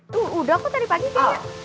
tuh udah kok tadi pagi punya